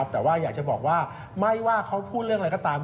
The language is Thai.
แต่ว่าอยากจะบอกว่าไม่ว่าเขาพูดเรื่องอะไรก็ตาม